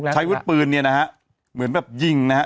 วุฒิปืนเนี่ยนะฮะเหมือนแบบยิงนะฮะ